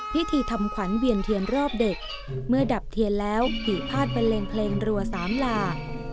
พิธีทำขวัญเวียนเทียนรอบเด็กเมื่อดับเทียนแล้วผีพาดบันเลงเพลงรัวสามหลา